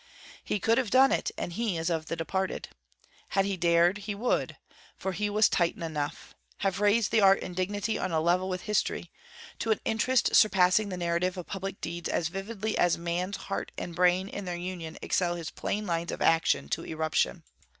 He could have done it, and he is of the departed! Had he dared, he would (for he was Titan enough) have raised the Art in dignity on a level with History; to an interest surpassing the narrative of public deeds as vividly as man's heart and brain in their union excel his plain lines of action to eruption.